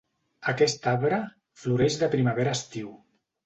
Aquest arbre floreix de primavera a estiu.